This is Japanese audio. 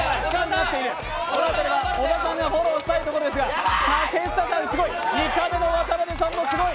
小田さんがフォローしたいところですが竹下さん、２カメの渡邊さんもすごい。